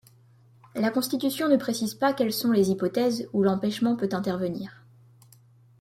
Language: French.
La constitution ne précise pas quelles sont les hypothèses où l'empêchement peut intervenir.